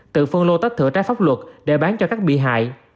tự phân lô tách thửa trái pháp luật để bán cho các bị hại